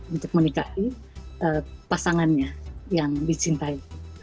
untuk menikahi pasangannya yang dicintai